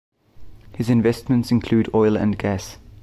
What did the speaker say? His investments include oil and gas.